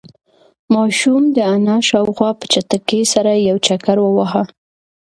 ماشوم د انا شاوخوا په چټکۍ سره یو چکر وواهه.